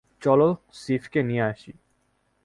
চলো সিফকে নিয়ে আসি!